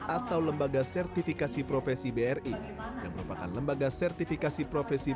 atau lembaga sertifikasi profesi bri yang merupakan lembaga sertifikasi profesi